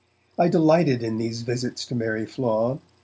I delighted in these visits to Mary Flaw.